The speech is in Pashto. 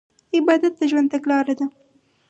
عبادت د ژوند تګلاره ده.